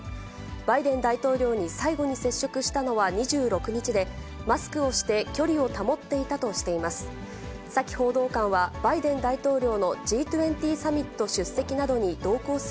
バイデン大統領に最後に接触したのは２６日で、マスクをして、距離を保っていたとしています。